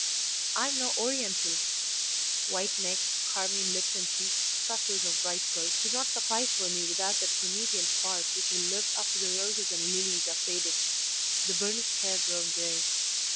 I am no Oriental; white necks, carmine lips and cheeks, clusters of bright curls, do not suffice for me without that Promethean spark which will live after the roses and lilies are faded, the burnished hair grown grey.